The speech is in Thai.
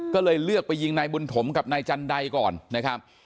ก็เลยเลือกไปยิงนายบุญถมกับนายจันไดก่อนนะครับ